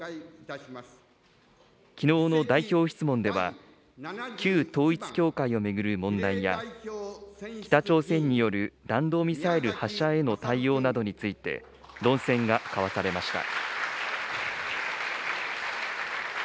きのうの代表質問では、旧統一教会を巡る問題や、北朝鮮による弾道ミサイル発射への対応などについて、論戦が交わされました。